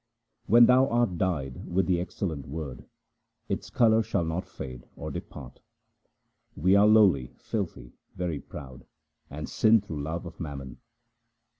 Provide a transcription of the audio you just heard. When thou art dyed with the excellent Word, its colour shall not fade or depart. We are low, filthy, very proud, and sin through love of mammon.